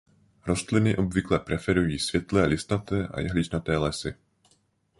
Rostliny obvykle preferují světlé listnaté a jehličnaté lesy.